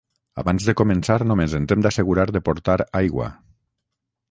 Abans de començar només ens hem d'assegurar de portar aigua